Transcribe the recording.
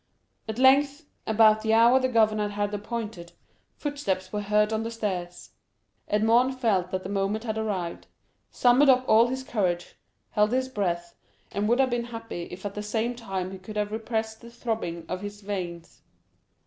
At length, about the hour the governor had appointed, footsteps were heard on the stairs. Edmond felt that the moment had arrived, summoned up all his courage, held his breath, and would have been happy if at the same time he could have repressed the throbbing of his veins.